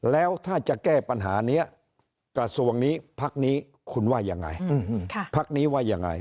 แล้วถ้าจะแก้ปัญหานี้กระทรวงนี้พักนี้คุณว่ายังไงพักนี้ว่ายังไง